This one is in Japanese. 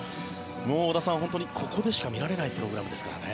もう織田さん、本当にここでしか見られないプログラムですからね。